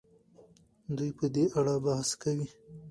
دوی په دې اړه بحث کوي.